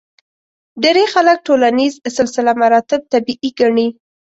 ډېری خلک ټولنیز سلسله مراتب طبیعي ګڼي.